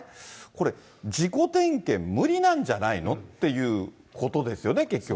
これ、自己点検無理なんじゃないのっていうことですよね、結局。